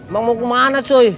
bang mau kemana cuy